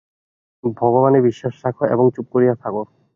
ভগবানে বিশ্বাস রাখো এবং চুপ করিয়া থাক।